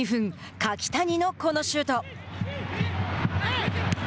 柿谷のこのシュート。